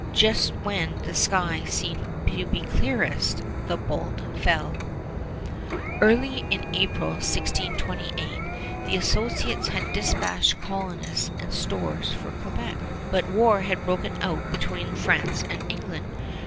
Just when the sky seemed clearest the bolt fell. Early in April, 1628, the Associates had dispatched colonists and stores for Quebec; but war had broken out between France and England.